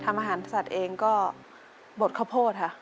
ทำอาหารสัตว์เองก็บดข้าวโพด